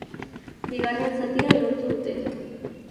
Bigarren zatian lortu dute.